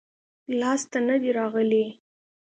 لاس ته نه دي راغلي-